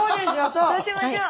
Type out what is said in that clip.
そうしましょう。